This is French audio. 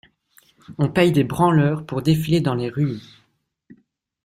On paye des branleurs pour défiler dans les rues.